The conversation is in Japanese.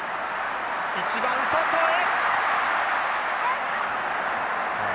一番外へ！